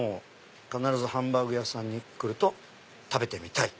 必ずハンバーグ屋さんに来ると食べてみたい。